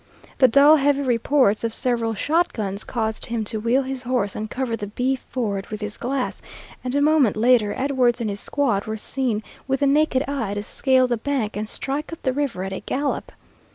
The dull, heavy reports of several shotguns caused him to wheel his horse and cover the beef ford with his glass, and a moment later Edwards and his squad were seen with the naked eye to scale the bank and strike up the river at a gallop.